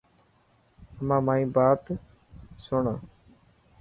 امان مائي بات بات سڻ.